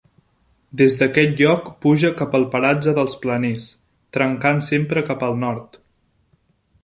Des d'aquest lloc puja cap al paratge dels Planers, trencant sempre cap al nord.